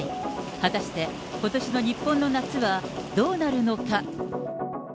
果たしてことしの日本の夏はどうなるのか。